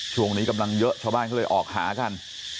ช่วงนี้กำลังเยอะชาวบ้านเขาเลยออกหากัน